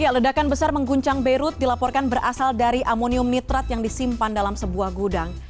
ledakan besar mengguncang beirut dilaporkan berasal dari amonium nitrat yang disimpan dalam sebuah gudang